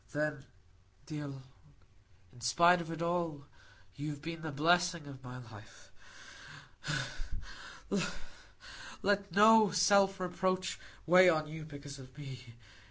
"Then, dear one, in spite of all, you have been the blessing of my life. Let no self reproach weigh on you because of me.